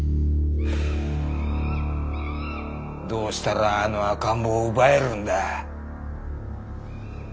どうしたらあの赤ん坊を奪えるんだ。